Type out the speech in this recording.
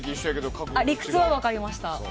理屈は分かりました。